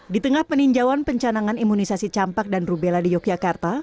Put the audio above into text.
di tengah peninjauan pencanangan imunisasi campak dan rubella di yogyakarta